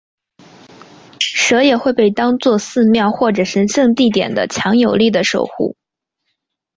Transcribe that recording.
蛇也会被当做寺庙或者神圣地点的强有力的守护。